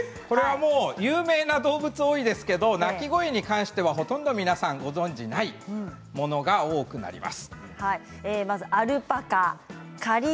有名な動物、多いですけど鳴き声に関してはほとんど皆さんご存じないものが多くなります。